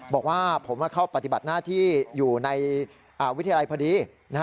บอกว่าผมเข้าปฏิบัติหน้าที่อยู่ในวิทยาลัยพอดี